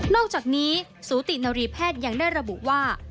อกจากนี้สูตินรีแพทย์ยังได้ระบุว่า